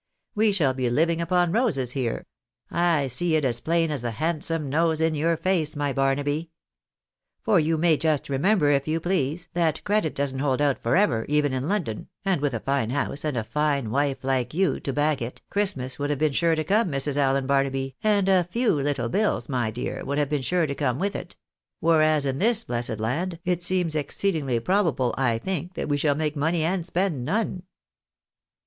We shall be living upon roses here — I see it as plain as the handsome nose in your face, my Barnaby. For you may just remember, if you please, that credit doesn't IkjL;! out for ever, even in London, and with a fine house, and a fine wife, like you, to back it, Christmas would have been sure to come, jMrs. Allen Barnaby, and a feiv little bills, my dear, would have becu sure to come with it ; whereas in this blessed 158 THE BAKNABTS HT AMEKICA. land, it seems exceedingly probable, I think, that we shall make money and spend none."